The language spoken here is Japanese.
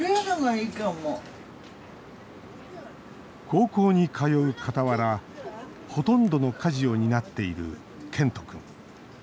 高校に通うかたわらほとんどの家事を担っている健人君。